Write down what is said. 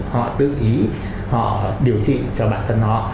họ tự ý họ điều trị cho bản thân họ